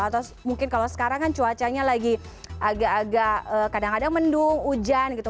atau mungkin kalau sekarang kan cuacanya lagi agak agak kadang kadang mendung hujan gitu